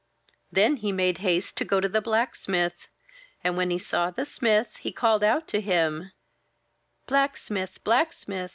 Then he made haste to go to the blacksmith; and when he saw the smith, he called out to him: —'* Blacksmith! Blacksmith